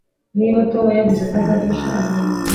Niba Tom yavuze ko azafasha azabikora